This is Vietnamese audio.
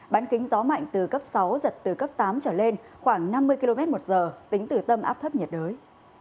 bán kính gió mạnh từ cấp sáu giật từ cấp tám trở lên khoảng năm mươi km một giờ tính từ tâm áp thấp nhiệt đới